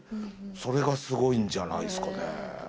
それがすごいんじゃないですかね